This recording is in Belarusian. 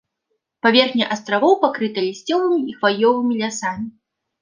Паверхня астравоў пакрыта лісцевымі і хваёвымі лясамі.